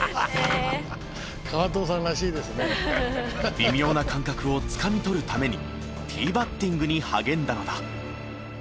微妙な感覚をつかみ取るためにティーバッティングに励んだのだ。